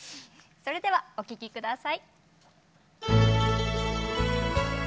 それではお聴き下さい。